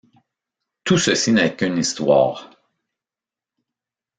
tout ceci n'est qu'une histoire.